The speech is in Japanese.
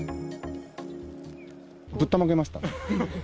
ぶったまげました。